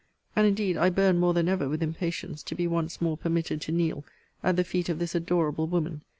And indeed I burn more than ever with impatience to be once more permitted to kneel at the feet of this adorable woman.